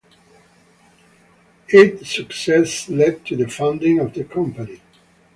Its success led to the founding of the company.